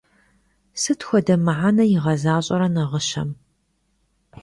Sıt xuede mıhene yiğezaş'ere nağışem?